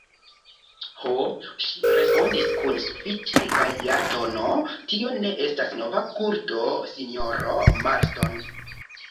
Ho, ŝi respondis kun sufiĉe gaja tono, tio ne estas nova kulto, sinjoro Marston.